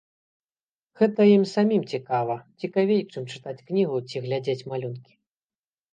Гэта ім самім цікава, цікавей, чым чытаць кнігу ці глядзець малюнкі.